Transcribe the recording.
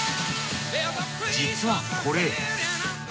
実はこれ。